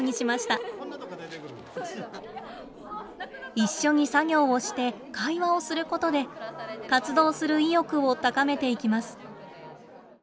一緒に作業をして会話をすることで活動する意欲を高めていきます。